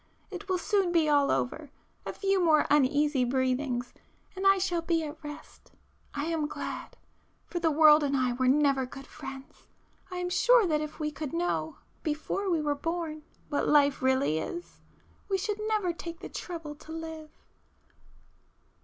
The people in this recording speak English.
It will soon be all over,—a few more uneasy breathings,—and I shall be at rest. I am glad,—for the world and I were never good friends;—I am sure that if we could know, before we were born, what life really is, we should never take the trouble to live!